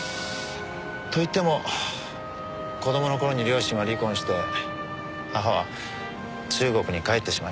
といっても子供の頃に両親は離婚して母は中国に帰ってしまいましたけど。